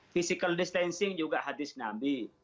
physical distancing juga hadis nabi